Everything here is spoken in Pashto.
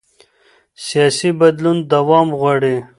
سیاسي بدلون دوام غواړي